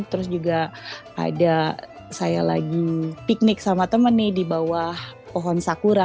terus juga ada saya lagi piknik sama temen nih di bawah pohon sakura